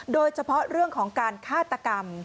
โดยเฉพาะเรื่องของการฆาตกรรม